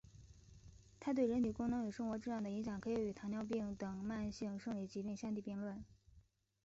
它对人体功能与生活质量的影响可以与糖尿病等慢性生理疾病相提并论。